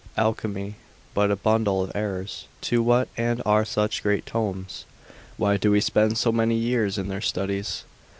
alchemy, but a bundle of errors? to what end are such great tomes? why do we spend so many years in their studies?